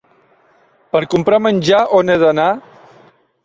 Per comprar menjar, on he d'anar?